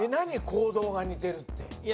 行動が似てるって。